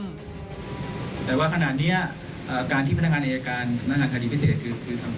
แต่ว่าขนาดนี้การที่พนักงานเนยาการ